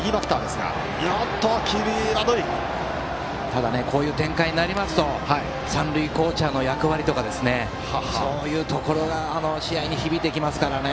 ただ、こういう展開になりますと三塁コーチャーの役割とかそういうところが試合に響いてきますからね。